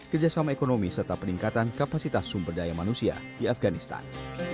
kerjasama ekonomi serta peningkatan kapasitas sumber daya manusia di afganistan